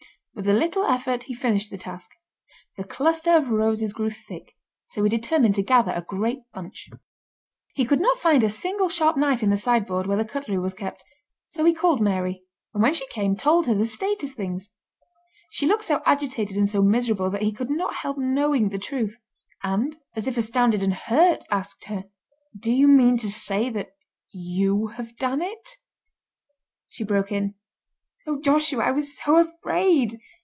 With a little effort he finished the task. The cluster of roses grew thick, so he determined to gather a great bunch. He could not find a single sharp knife in the sideboard where the cutlery was kept, so he called Mary, and when she came, told her the state of things. She looked so agitated and so miserable that he could not help knowing the truth, and, as if astounded and hurt, asked her: "Do you mean to say that you have done it?" She broke in, "Oh, Joshua, I was so afraid."